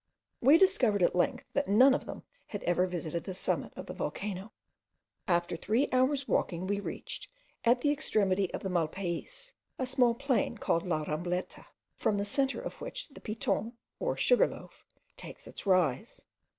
We discovered at length that none of them had ever visited the summit of the volcano. After three hours' walking, we reached, at the extremity of the Malpays, a small plain, called La Rambleta, from the centre of which the Piton, or Sugar loaf, takes its rise.